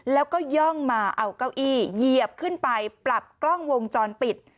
แล้วก็ย่องมาเอาเก้าอี้เหยียบขึ้นไปปรับกล้องวงจรปิด